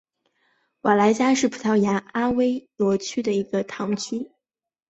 瓦莱加是葡萄牙阿威罗区的一个堂区。